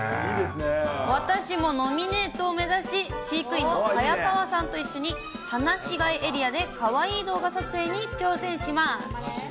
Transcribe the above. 私もノミネートを目指し、飼育員の早川さんと一緒に放し飼いエリアで、かわいい動画撮影に挑戦します。